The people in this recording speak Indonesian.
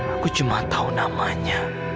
aku cuma tahu namanya